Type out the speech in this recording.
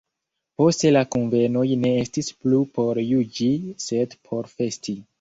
Poste la kunvenoj ne estis plu por juĝi sed por festi.